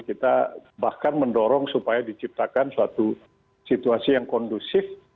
kita bahkan mendorong supaya diciptakan suatu situasi yang kondusif